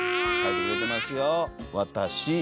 「わたし」。